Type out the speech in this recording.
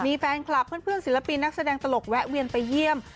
มีแฟนคลับเพื่อนศิลปินนักแสดงตลกแวะเวียนไปเยี่ยม